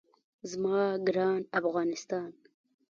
زما ګران افغانستان.